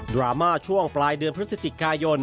รามาช่วงปลายเดือนพฤศจิกายน